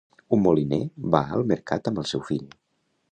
Un moliner va al mercat amb el seu fill.